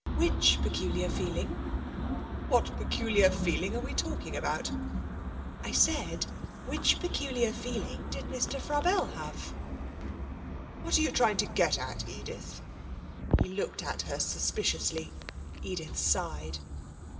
'Which peculiar feeling?' 'What peculiar feeling are we talking about?' 'I said, which peculiar feeling did Mr. Frabelle have?' 'What are you trying to get at, Edith?' He looked at her suspiciously. Edith sighed.